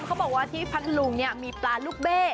เขาบอกว่าที่พัทธลุงเนี่ยมีปลาลูกเบ้